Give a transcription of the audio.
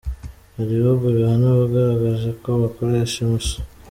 Hari ibihugu bihana abagaragaje ko bakoresha imoso .